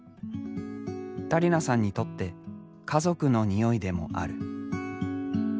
ダリナさんにとって家族の匂いでもある。